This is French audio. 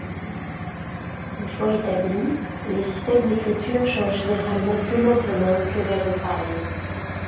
Une fois établis, les systèmes d'écriture changent généralement plus lentement que la langue parlée.